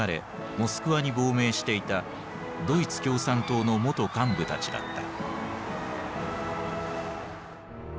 モスクワに亡命していたドイツ共産党の元幹部たちだった。